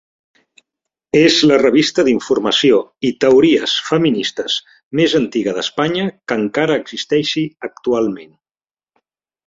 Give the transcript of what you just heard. És la revista d'informació i teories feministes més antiga d'Espanya que encara existeixi actualment.